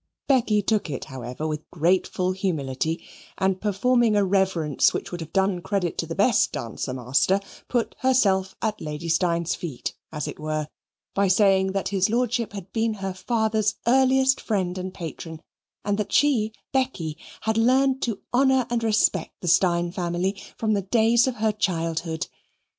Becky took it, however, with grateful humility, and performing a reverence which would have done credit to the best dancer master, put herself at Lady Steyne's feet, as it were, by saying that his Lordship had been her father's earliest friend and patron, and that she, Becky, had learned to honour and respect the Steyne family from the days of her childhood.